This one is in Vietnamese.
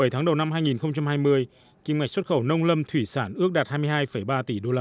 bảy tháng đầu năm hai nghìn hai mươi kim ngạch xuất khẩu nông lâm thủy sản ước đạt hai mươi hai ba tỷ usd